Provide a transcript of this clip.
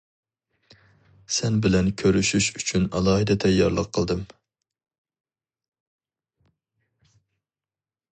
سەن بىلەن كۆرۈشۈش ئۈچۈن ئالاھىدە تەييارلىق قىلدىم.